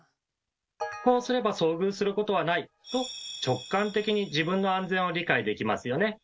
「こうすれば遭遇することはない」と直感的に自分の安全を理解できますよね。